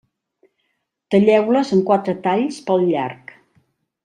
Talleu-les en quatre talls pel llarg.